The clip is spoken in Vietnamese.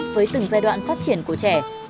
với từng giai đoạn phát triển của trẻ